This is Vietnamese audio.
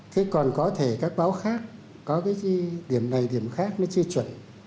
thế còn có thể các báo khác có cái điểm này điểm khác nó chưa chuẩn